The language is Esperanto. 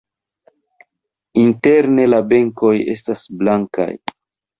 Interne la benkoj estas blankaj.